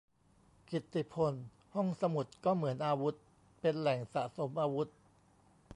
กิตติพล : ห้องสมุดก็เหมือนอาวุธ เป็นแหล่งสะสมอาวุธ